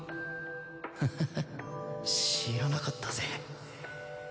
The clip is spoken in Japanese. ハハハ知らなかったぜ。